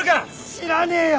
知らねえよ！